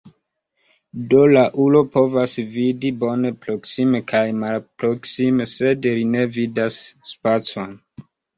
Do la ulo povas vidi bone proksime kaj malproksime, sed li ne vidas spacon.